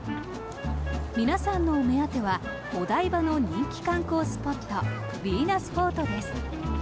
皆さんのお目当てはお台場の人気観光スポットヴィーナスフォートです。